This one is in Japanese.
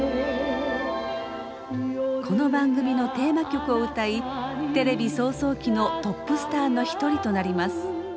この番組のテーマ曲を歌いテレビ草創期のトップスターの一人となります。